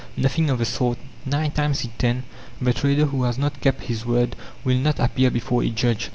Nothing of the sort; nine times in ten the trader who has not kept his word will not appear before a judge.